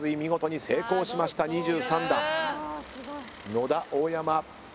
野田大山。